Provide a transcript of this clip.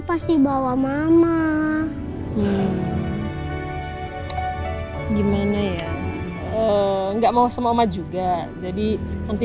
pasti bawa mama gimana ya nggak mau sama oma juga jadi nanti